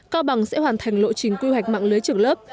cao bằng sẽ hoàn thành lộ trình quy hoạch mạng lưới trường lớp